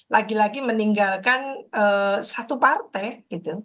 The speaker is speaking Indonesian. lagi lagi meninggalkan satu partai gitu